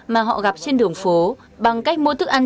mà họ gặp trên đường phố bằng cách mua thức ăn